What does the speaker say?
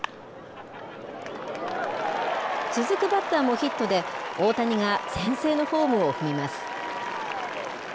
続くバッターもヒットで、大谷が先制のホームを踏みます。